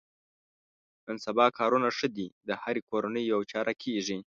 نن سبا کارونه ښه دي د هرې کورنۍ یوه چاره کېږي.